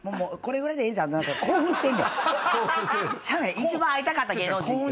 一番会いたかった芸能人。